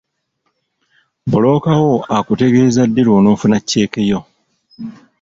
Bbulooka wo akutegeeza ddi lw'onoofuna cceeke yo.